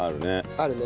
あるね。